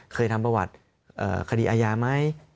เคยทำประวัติคดีอายามั้ย